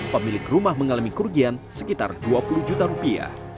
pemilik rumah mengalami kerugian sekitar dua puluh juta rupiah